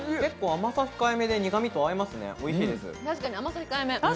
甘さ控えめで、苦味と合いますね。